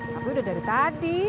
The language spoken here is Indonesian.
tapi udah dari tadi